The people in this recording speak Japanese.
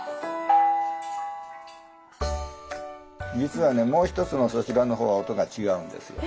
実はねもう一つのそちらの方は音が違うんですよ。